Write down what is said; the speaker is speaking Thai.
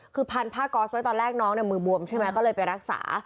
คือพันผ้าก๊อสไว้ตอนแรกน้องเนี่ยมือบวมใช่ไหมก็เลยไปรักษา